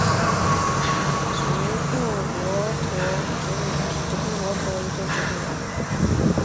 直布罗陀植物园是直布罗陀的一座植物园。